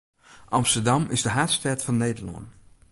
Amsterdam is de haadstêd fan Nederlân.